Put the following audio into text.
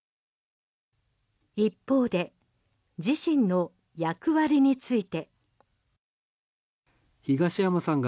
一方で自身の役割について。